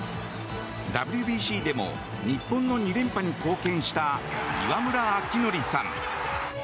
ＷＢＣでも日本の２連覇に貢献した、岩村明憲さん。